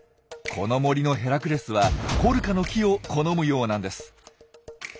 この森のヘラクレスはコルカの木を好むようなんです。